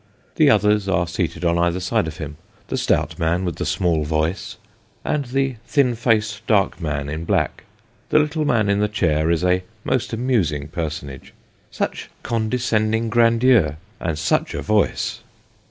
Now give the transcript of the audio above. The others are seated on either side of him the stout man with the small voice, and the thin faced dark man in black. The little man in the chair is a most amusing personage, such condescending grandeur, and such a voice